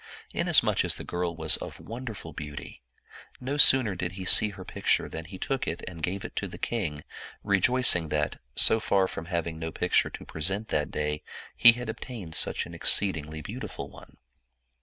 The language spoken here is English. Inasmuch as the girl was of wonderful beauty, no sooner did he see her picture than he took it and gave it to the king, rejoicing that, so far from having no picture to present that day, he had obtained such an exceedingly beautiful one.